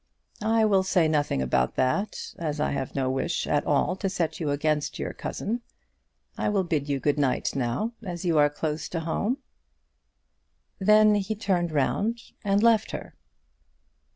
"I will say nothing about that, as I have no wish at all to set you against your cousin. I will bid you good night now as you are close at home." Then he turned round and left her.